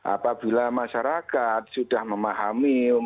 apabila masyarakat sudah memahami